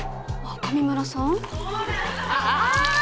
上村さん？